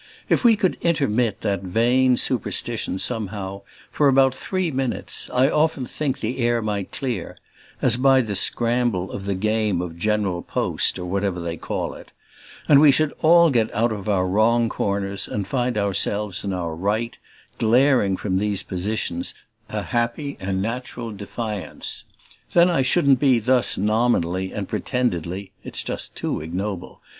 If we could intermit that vain superstition somehow, for about three minutes, I often think the air might clear (as by the scramble of the game of General Post, or whatever they call it) and we should all get out of our wrong corners and find ourselves in our right, glaring from these positions a happy and natural defiance. Then I shouldn't be thus nominally and pretendedly (it's too ignoble!)